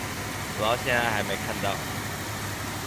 我到現在還沒看到